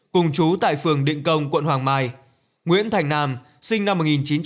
cùng chú tại phường định công quận hoàng mai nguyễn thành nam sinh năm một nghìn chín trăm tám mươi